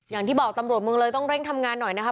อย่างที่บอกตำรวจเมืองเลยต้องเร่งทำงานหน่อยนะคะ